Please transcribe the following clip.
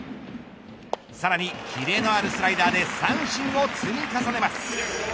さらにキレのあるスライダーで三振を積み重ねます。